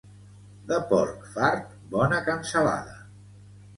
De porc fart, bona cansalada.